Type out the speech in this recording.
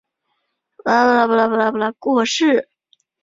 干道九年正月过世。